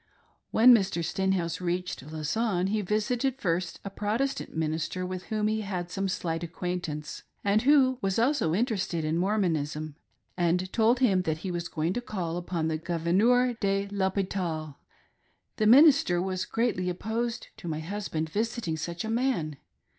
When Mr. Stenhouse reached Lausanne, he visited first a Protestant minister with whom he had some slight acquaint ance, and who was also interested in Mormonism, and told him that he was going to call upon the Governeur de I'Hopital. The minister was greatly opposed to my husband visiting such a man.